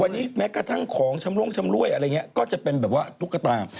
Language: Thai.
วันนี้กระทั่งของชำโล่งชำร้วยก็จะเป็นทุกข์ตาม